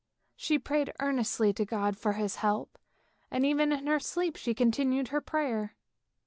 She prayed earnestly to God for His help, and even in her sleep she continued her prayer.